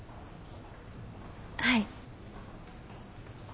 はい。